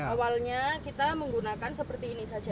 awalnya kita menggunakan seperti ini saja